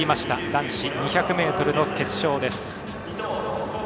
男子２００ｍ決勝です。